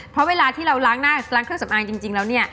เพราะเวลาที่เราล้างหน้าล้างเครื่องสำอางจริงแล้วเนี่ย